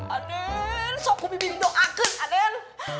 aku bimbing doa aku aden